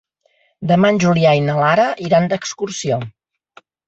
Demà en Julià i na Lara iran d'excursió.